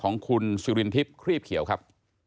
ของคุณสุรินทิพย์ครีบเขียวครับ